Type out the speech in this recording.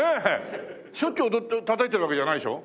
しょっちゅう踊って叩いてるわけじゃないでしょ？